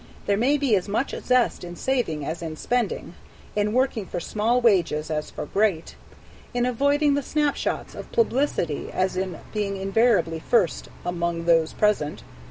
There may be as much zest in saving as in spending, in working for small wages as for great, in avoiding the snapshots of publicity as in being invariably first "among those present."